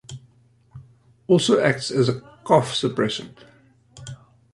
Also acts as a cough suppressant.